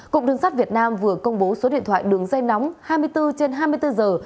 cục đường sắt việt nam vừa công bố số điện thoại đường dây nóng hai mươi bốn trên hai mươi bốn giờ